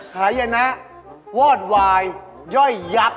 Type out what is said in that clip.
ขาเย็นนะวอดวายย่อยัก